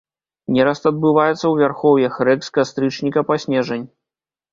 Нераст адбываецца ў вярхоўях рэк з кастрычніка па снежань.